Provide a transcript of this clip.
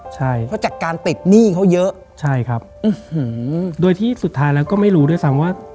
ใช่เพราะจากการติดหนี้เขาเยอะใช่ครับโดยที่สุดท้ายแล้วก็ไม่รู้ด้วยซ้ำว่า